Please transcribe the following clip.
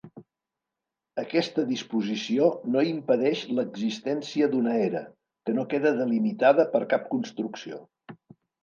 Aquesta disposició no impedeix l'existència d'una era, que no queda delimitada per cap construcció.